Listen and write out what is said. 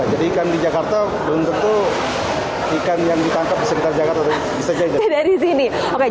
ikan di jakarta belum tentu ikan yang ditangkap di sekitar jakarta bisa saja